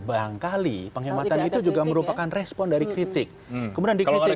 barangkali penghematan itu juga merupakan respon dari kritik kemudian dikritik